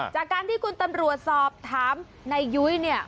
จากการที่คุณตำรวจสอบถามนายยุ้ยเนี่ย